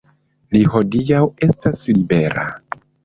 Li hodiaŭ estas libera.